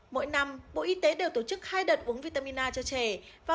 mỗi năm bộ y tế đều tổ chức hai đợt uống vitamin a cho trẻ